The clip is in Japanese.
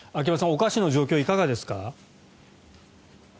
お菓子の状況、いかがですか。